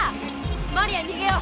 マリアにげよう！